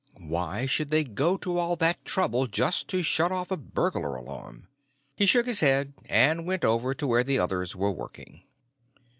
Why should they go to all that trouble just to shut off a burglar alarm?" He shook his head and went over to where the others were working.